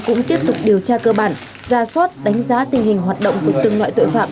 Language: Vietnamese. cũng tiếp tục điều tra cơ bản ra soát đánh giá tình hình hoạt động của từng loại tội phạm